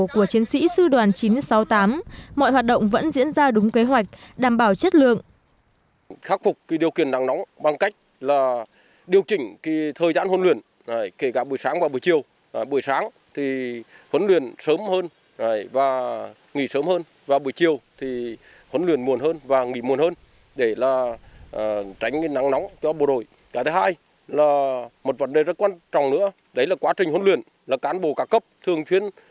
của chiến sĩ sư đoàn chín trăm sáu mươi tám mọi hoạt động vẫn diễn ra đúng kế hoạch đảm bảo chất lượng